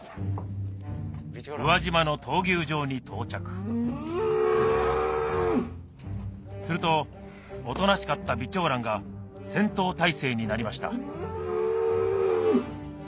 宇和島の闘牛場に到着するとおとなしかった美蝶蘭が戦闘態勢になりました